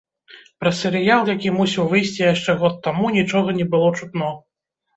Пра серыял, які мусіў выйсці яшчэ год таму, нічога не было чутно.